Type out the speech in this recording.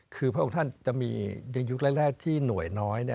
คือพระองค์ท่านจะมีในยุคแรกที่หน่วยน้อย